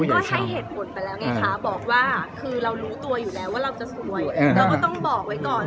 ก็ให้เหตุผลไปแล้วไงคะ